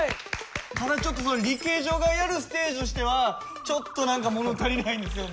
ただちょっとリケジョがやるステージとしてはちょっと何かもの足りないんですよね。